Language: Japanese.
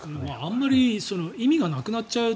あまり意味がなくなっちゃう。